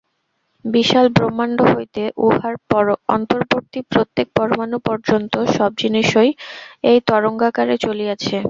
বিশাল ব্রহ্মাণ্ড হইতে উহার অন্তর্বর্তী প্রত্যেক পরমাণু পর্যন্ত সব জিনিষই এই তরঙ্গাকারে চলিয়াছে।